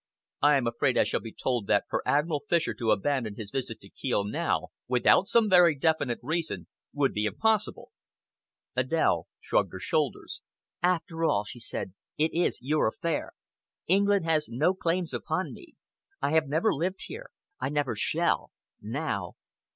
I am afraid I shall be told that for Admiral Fisher to abandon his visit to Kiel now, without some very definite reason, would be impossible." Adèle shrugged her shoulders. "After all," she said, "it is your affair. England has no claims upon me. I have never lived here, I never shall now!